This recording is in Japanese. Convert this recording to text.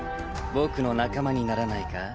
僕の仲間にならないか？